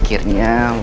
luar biasa bu